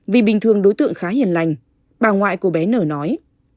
vì bình thường đối tượng khá hiền lành bà ngoại cô bé nở nói